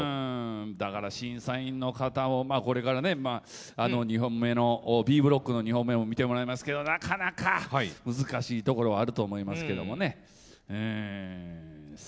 だから、審査員の方もこれからＢブロックの２本目見てもらいますけどなかなか、難しいところはあると思いますけどね。